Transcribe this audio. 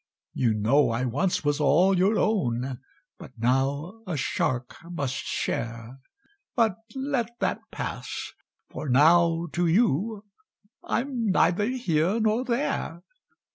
"You know I once was all your own, But now a shark must share! But let that pass for now, to you I'm neither here nor there."